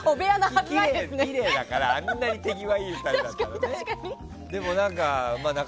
きれいだからあんなに手際いい２人だから。